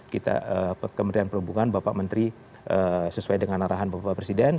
kita kementerian perhubungan bapak menteri sesuai dengan arahan bapak presiden